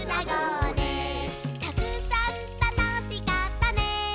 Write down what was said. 「たくさんたのしかったね」